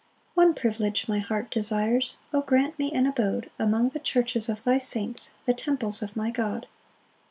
2 One privilege my heart desires; O grant me an abode Among the churches of thy saints, The temples of my God!